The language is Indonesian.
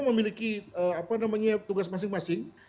memiliki tugas masing masing